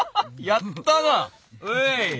やったな。